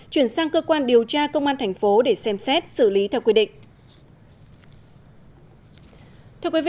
chuyển sang cơ quan điều tra công an thành phố để xem xét xử lý theo quy định